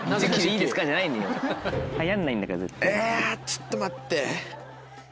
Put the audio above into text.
えちょっと待って。